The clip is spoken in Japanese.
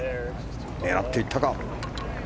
狙っていったか。